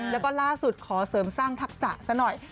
แล้วก็ล่าสุดขอเสริมสร้างทักษะซะหน่อย